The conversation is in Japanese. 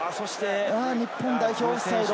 日本代表オフサイド。